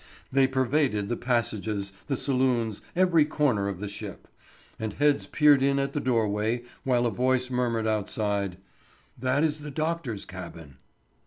They pervaded the passages, the saloons, every corner of the ship; and heads peered in at the doorway while a voice murmured outside: "That is the doctor's cabin."